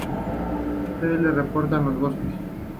Se le reporta en bosques.